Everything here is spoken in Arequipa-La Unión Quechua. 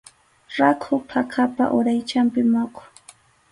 Rakhu phakapa uraychanpi muqu.